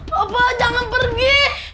bapak jangan pergi